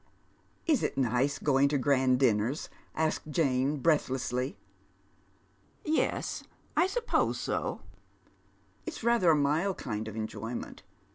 " Is it nice going to grand dirmers ?" asks Jane, breathlessly. *' Yes, I suppose so. It's rather a mild kind of enjoyment.